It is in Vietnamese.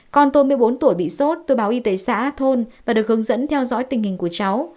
con tôi một mươi bốn tuổi bị sốt tôi báo y tế xã thôn và được hướng dẫn theo dõi tình hình của cháu